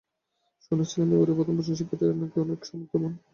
শুনেছিলাম এবারের প্রথম বর্ষের শিক্ষার্থীরা না কি অনেক সামর্থ্যবান।